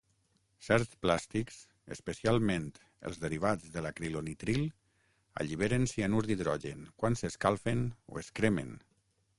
Certs plàstics, especialment els derivats d'acrilonitril, alliberen cianur d'hidrogen quan s'escalfen o es cremen.